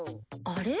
あれ？